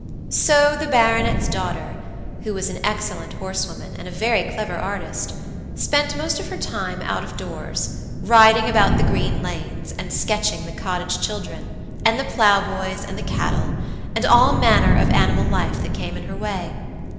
So the baronet's daughter, who was an excellent horsewoman and a very clever artist, spent most of her time out of doors, riding about the green lanes, and sketching the cottage children, and the plow boys, and the cattle, and all manner of animal life that came in her way.